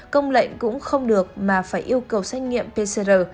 công lệnh cũng không được mà phải yêu cầu xét nghiệm pcr